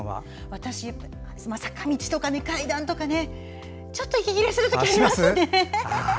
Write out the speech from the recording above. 私は、坂道とか階段とかちょっと息切れするときありますね。